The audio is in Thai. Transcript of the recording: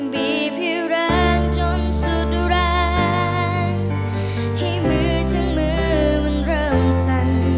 พี่แรงจนสุดแรงให้มือถึงมือมันเริ่มสั่น